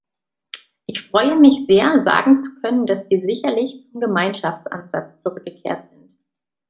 Ich freue mich sehr, sagen zu können, dass wir sicherlich zum Gemeinschaftsansatz zurückgekehrt sind.